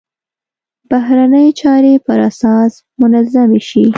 بهرنۍ چارې پر اساس منظمې شي.